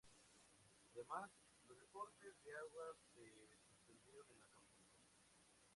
Además, los deportes de agua se suspendieron en Acapulco.